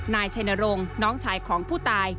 นายชัยนรงค์น้องชายของผู้ตาย